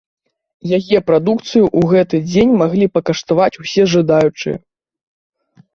Яе прадукцыю ў гэты дзень маглі пакаштаваць усе жадаючыя.